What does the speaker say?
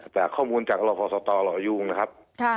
แต่ข้อมูลจากหล่อภอสตรหล่อยูงนะครับ